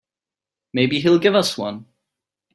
Maybe he'll give us one.